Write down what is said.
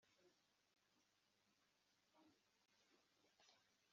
Yandahiye ngo byose arabizi